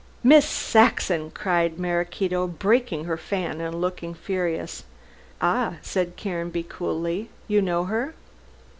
"Miss Saxon!" cried Maraquito, breaking her fan and looking furious. "Ah!" said Caranby coolly, "you know her?"